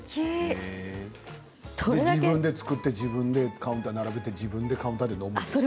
自分で作って自分でカウンターに並べて自分で飲むんですか？